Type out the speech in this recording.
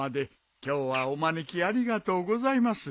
今日はお招きありがとうございます。